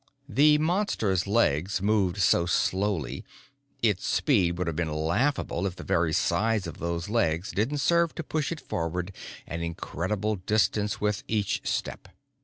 The Monster's legs moved so slowly: its speed would have been laughable if the very size of those legs didn't serve to push it forward an incredible distance with each step.